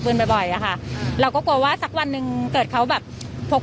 บ่อยบ่อยอะค่ะเราก็กลัวว่าสักวันหนึ่งเกิดเขาแบบพก